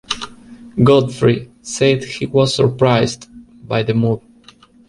Godfrey said he was surprised by the move.